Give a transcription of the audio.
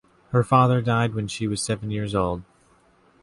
Her father died when she was seven years old.